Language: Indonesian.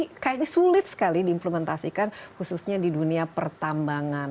ini sulit sekali diimplementasikan khususnya di dunia pertambangan